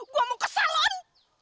gue mau ke salon